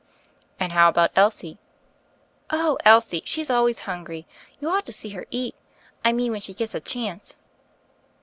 •*And how about Elsie?" "Oh, Elsie ! she's always hungry. You ought to see her eat— ;; I mean when she gets a chance."